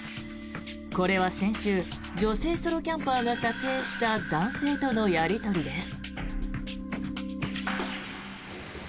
これは先週女性ソロキャンパーが撮影した男性とのやり取りです。